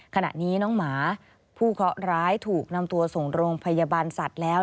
ขณะนี้น้องหมาผู้เคาะร้ายถูกนำตัวส่งโรงพยาบาลสัตว์แล้ว